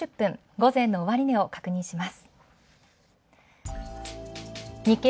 午前の終値を確認します。